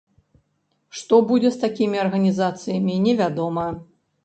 Што будзе з такімі арганізацыямі невядома.